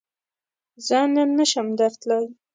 زۀ نن نشم درتلای